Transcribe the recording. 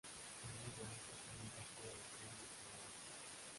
El libro fue candidato a los Premios Naoki.